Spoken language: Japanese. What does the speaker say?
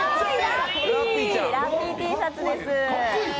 ラッピーＴシャツです。